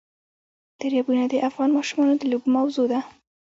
دریابونه د افغان ماشومانو د لوبو موضوع ده.